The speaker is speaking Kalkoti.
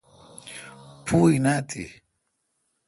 پو این اؘ تی۔